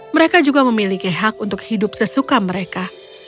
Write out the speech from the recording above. mereka juga memiliki hak untuk hidup sesuka mereka